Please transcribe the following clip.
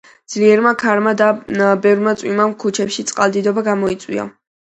ძლიერმა ქარმა და ბევრმა წვიმამ ქუჩებში წყალდიდობა გამოიწვია.